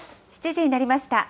７時になりました。